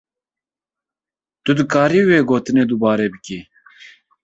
Tu dikarî wê gotinê dubare kî.